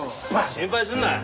心配すんな。